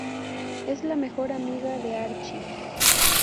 Es la mejor amiga de Archie.